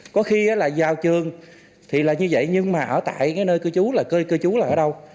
có khi là giao trường thì là như vậy nhưng mà ở tại cái nơi cư chú là cư chú là ở đâu